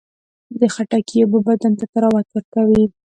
د خټکي اوبه بدن ته طراوت ورکوي.